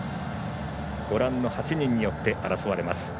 ８人によって争われます。